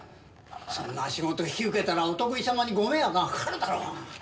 そんな仕事引き受けたらお得意様にご迷惑がかかるだろ。